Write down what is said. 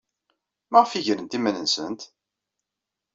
Maɣef ay grent iman-nsent?